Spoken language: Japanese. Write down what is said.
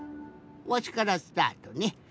わしからスタートね。